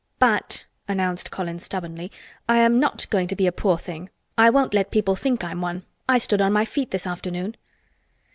"But," announced Colin stubbornly, "I am not going to be a poor thing. I won't let people think I'm one. I stood on my feet this afternoon."